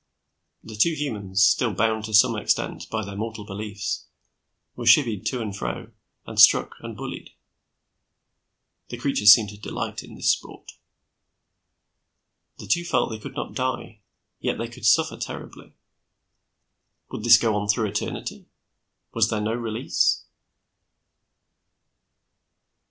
The two humans, still bound to some extent by their mortal beliefs, were chivvied to and fro, and struck and bullied. The creatures seemed to delight in this sport. The two felt they could not die; yet they could suffer terribly. Would this go on through eternity? Was there no release?